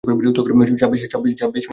ছাব্বিশ মিনিট যাবত।